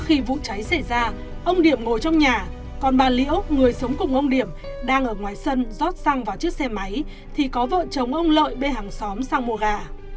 khi vụ cháy xảy ra ông điểm ngồi trong nhà còn bà liễu người sống cùng ông điểm đang ở ngoài sân rót xăng vào chiếc xe máy thì có vợ chồng ông lợi bên hàng xóm sang mua gà